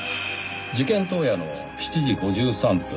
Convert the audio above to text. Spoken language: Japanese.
事件当夜の７時５３分。